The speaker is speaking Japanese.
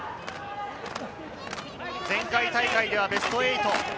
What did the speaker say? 前回大会ではベスト８。